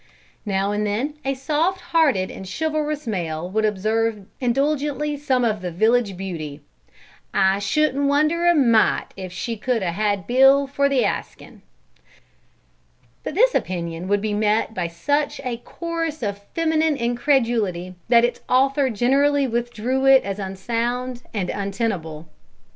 Now and then a soft hearted and chivalrous male would observe indulgently of some village beauty, "I shouldn't wonder a mite if she could 'a' had Bill for the askin'"; but this opinion would be met by such a chorus of feminine incredulity that its author generally withdrew it as unsound and untenable.